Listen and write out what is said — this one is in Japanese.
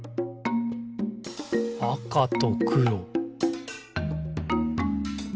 「あかとくろ」